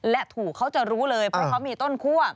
และถูกเขาจะรู้เลยเพราะเขามีต้นคั่ว